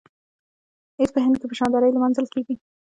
عید په هند کې په شاندارۍ لمانځل کیږي.